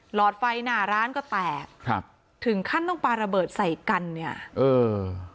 หลอดไฟหน้าร้านก็แตกครับถึงขั้นต้องปลาระเบิดใส่กันเนี่ยเออ